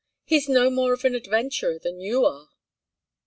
He's no more of an adventurer than you are."